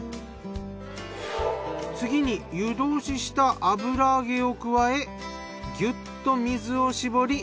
次に湯通しした油揚げを加えギュッと水を絞りそこに加えるのが。